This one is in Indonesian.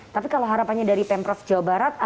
tapi kalau harapannya dari pemprov jawa barat